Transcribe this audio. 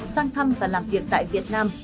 sang thăm và làm việc tại việt nam